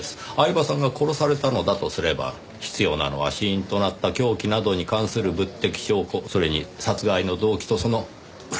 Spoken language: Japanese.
饗庭さんが殺されたのだとすれば必要なのは死因となった凶器などに関する物的証拠それに殺害の動機とその裏付けです。